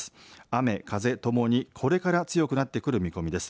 雨風ともにこれから強くなってくる見込みです。